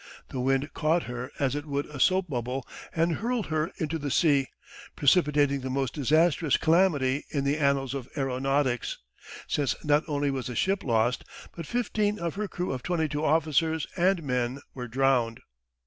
The wind caught her as it would a soap bubble and hurled her into the sea, precipitating the most disastrous calamity in the annals of aeronautics, since not only was the ship lost, but fifteen of her crew of 22 officers and men were drowned.